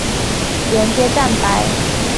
连接蛋白。